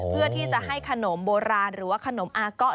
เพื่อที่จะให้ขนมโบราณหรือว่าขนมอาเกาะ